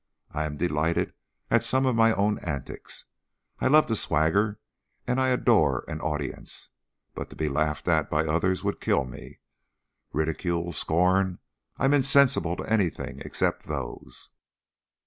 I am delighted at some of my own antics. I love to swagger and I adore an audience, but to be laughed at by others would kill me. Ridicule! Scorn! I'm insensible to anything except those."